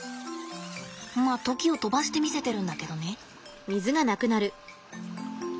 まあ時を飛ばして見せてるんだけどね。